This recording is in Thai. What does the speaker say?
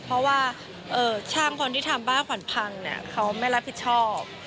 เพราะว่าช่างคนที่ทำบ้าขวัญพังเขาไม่รับผิดชอบ